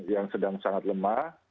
yang sedang sangat lemah